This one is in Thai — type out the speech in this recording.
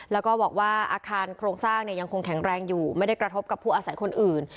แล้วก็บอกว่าอาคารโครงสร้างยังคงแข็งแรงอยู่ไม่ได้กระทบกับผู้อาศัยคนอื่น